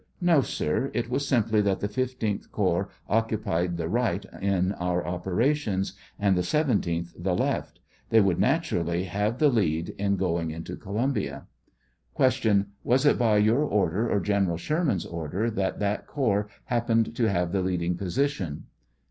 No, sir ; it was simply that the 15th corps occu pied the right in our operations, and the 17th the left ; they would naturally have the lead in going into Co lumbia. Q. Was it by your order or General Sherman's order that that corps happened to have the leading position